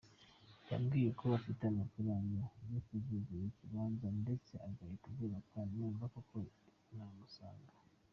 Yambwiye ko afite amafaranga yo kuzagura ikibanza ndetse agahita yubaka numva koko namusanga.